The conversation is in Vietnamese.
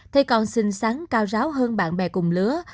thay con xinh sáng cao ráo hơn bạn bè cùng lứa